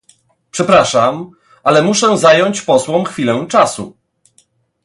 Przepraszam, ale muszę zająć posłom chwilę czasu